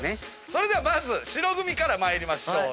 それでは白組から参りましょう。